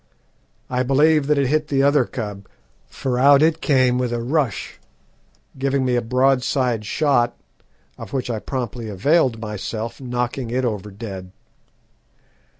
I believe that it hit the other cub, for out it came with a rush, giving me a broadside shot, of which I promptly availed myself, knocking it over dead.